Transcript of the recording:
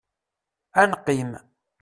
Ad neqqim.